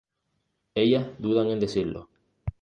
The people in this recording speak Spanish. ellas dudan en decirlo